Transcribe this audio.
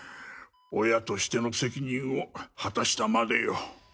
親としての責任を果たしたまでよ。